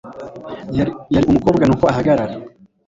Yari umukobwa nuko ahagarara